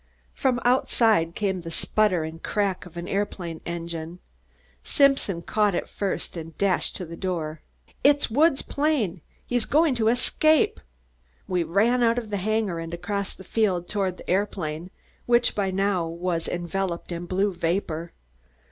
From outside came the sputter and crack of an aeroplane engine. Simpson caught it first and dashed to the door. "It's Woods' plane. He's going to escape." We ran out of the hangar and across the field toward the aeroplane which, by now, was enveloped in blue vapor.